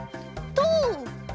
とう！